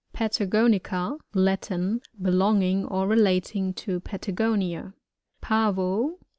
Patagonica. — Latin. Belonging or relating to Patagonia. Pavo.